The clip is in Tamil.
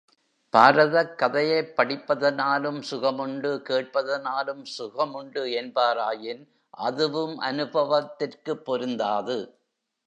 பாரதக் கதையைப் படிப்பதனாலும் சுகமுண்டு, கேட்பதனாலும் சுகமுண்டு என்பாராயின் அதுவும் அனுபவத்திற்குப் பொருந்தாது.